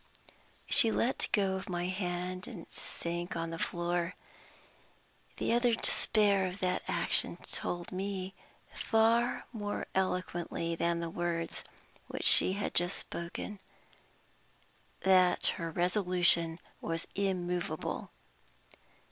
She let go of my hand, and sank on the floor. The utter despair of that action told me, far more eloquently than the words which she had just spoken, that her resolution was immovable.